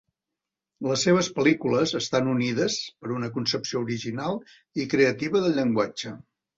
Les seves pel·lícules estan unides per una concepció original i creativa del llenguatge.